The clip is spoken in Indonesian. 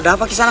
ada apa kesana